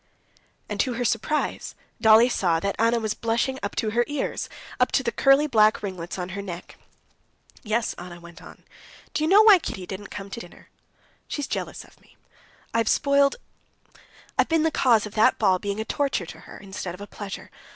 And to her surprise Dolly saw that Anna was blushing up to her ears, up to the curly black ringlets on her neck. "Yes," Anna went on. "Do you know why Kitty didn't come to dinner? She's jealous of me. I have spoiled ... I've been the cause of that ball being a torture to her instead of a pleasure.